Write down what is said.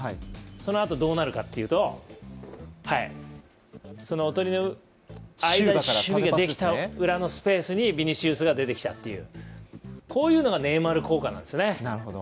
そのあと、どうなるかっていうとおとりの間にスペースができた中にビニシウスが出てきたというこういうのがネイマール効果なんですよね。